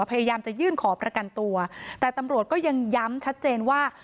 พยายามจะยื่นขอประกันตัวแต่ตำรวจก็ยังย้ำชัดเจนว่า